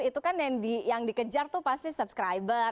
itu kan yang dikejar tuh pasti subscriber